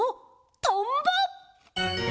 トンボ！